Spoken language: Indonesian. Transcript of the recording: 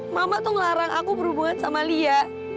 mama tuh ngelarang aku berhubungan sama lia